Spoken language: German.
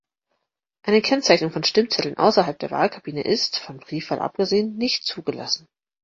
Eine Kennzeichnung von Stimmzetteln außerhalb der Wahlkabine ist, von Briefwahl abgesehen, nicht zugelassen.